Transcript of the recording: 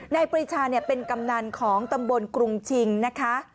ปริชาเป็นกำนันของตำบลกรุงชิงนะคะ